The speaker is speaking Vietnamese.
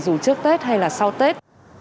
dù trước tết hay là sau tết